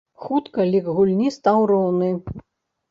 Хутка лік гульні стаў роўны.